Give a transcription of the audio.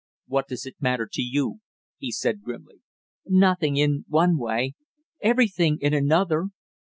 "What does it matter to you?" he said grimly. "Nothing in one way everything in another!"